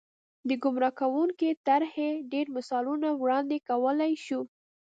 د ګمراه کوونکې طرحې ډېر مثالونه وړاندې کولای شو.